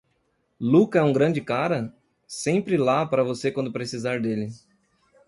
Lucca é um grande cara? sempre lá para você quando você precisar dele.